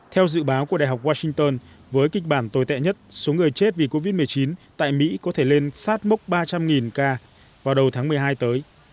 theo dự báo của đại học washington với kịch bản tồi tệ nhất số người chết vì covid một mươi chín tại mỹ có thể lên sát mốc ba trăm linh ca vào đầu tháng một mươi hai tới